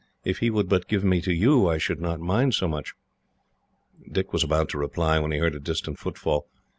If he would but give me to you, I should not mind so much." Dick was about to reply, when he heard a distant footfall.